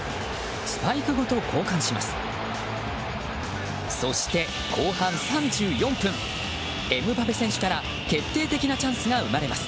スパイクごと交換します。